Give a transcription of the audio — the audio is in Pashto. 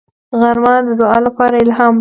غرمه د دعا لپاره الهام راوړي